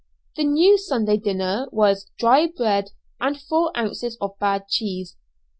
The new Sunday dinner was dry bread and four ounces of bad cheese.